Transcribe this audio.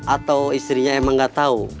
atau istrinya emang gak tahu